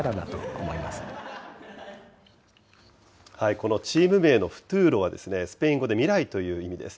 このチーム名のフトゥーロは、スペイン語で未来という意味です。